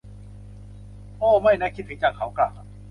โอ้ ไม่นะ คิดถึงจัง เขากล่าว